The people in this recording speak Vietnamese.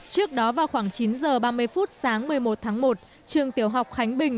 trước đó vào khoảng chín h ba mươi phút sáng một mươi một tháng một trường tiểu học khánh bình